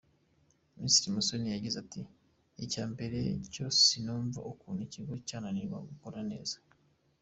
Minisitiri Musoni yagize ati“Icya mbere cyo sinumva ukuntu ikigo cyananirwa gukora neza.